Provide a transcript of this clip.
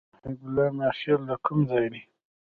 محبت الله "میاخېل" د کوم ځای دی؟